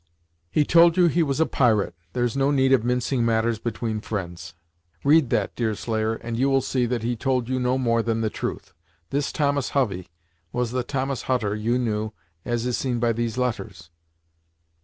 "He told you he was a pirate there is no need of mincing matters between friends. Read that, Deerslayer, and you will see that he told you no more than the truth. This Thomas Hovey was the Thomas Hutter you knew, as is seen by these letters."